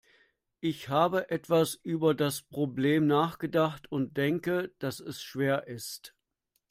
Ich habe etwas über das Problem nachgedacht und denke, dass es schwer ist.